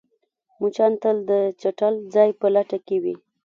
مچان تل د چټل ځای په لټه کې وي